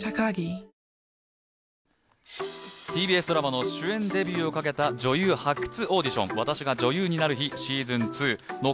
ＴＢＳドラマの主演デビューをかけた女優発掘オーディション、『私が女優になる日＿』